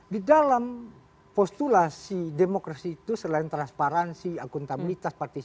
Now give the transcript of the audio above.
di dalam postulasi demokrasi itu selain transparansi akuntabilitas partisipasi